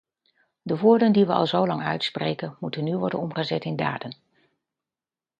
De woorden die we al zo lang uitspreken, moeten nu worden omgezet in daden.